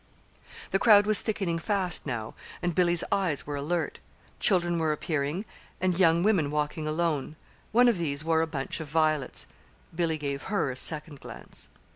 The crowd was thickening fast, now, and Billy's eyes were alert. Children were appearing, and young women walking alone. One of these wore a bunch of violets. Billy gave her a second glance.